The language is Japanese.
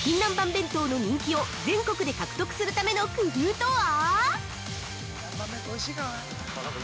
弁当の人気を全国で獲得するための工夫とは？